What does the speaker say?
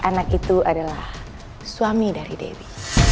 anak itu adalah suami dari dewi